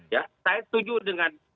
ya saya setuju dengan